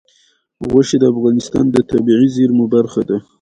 غوښې د افغانستان د طبیعي زیرمو برخه ده.